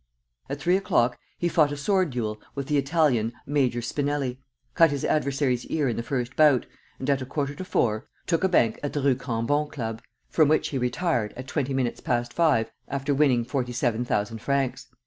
At three o'clock he fought a sword duel with the Italian Major Spinelli, cut his adversary's ear in the first bout, and, at a quarter to four, took a bank at the Rue Cambon Club, from which he retired, at twenty minutes past five, after winning forty seven thousand francs.